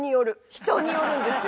人によるんですよ村長。